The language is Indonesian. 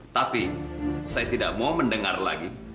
tapi saya tidak mau mendengar lagi